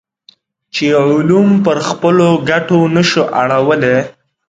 چې علوم پر خپلو ګټو نه شو اړولی.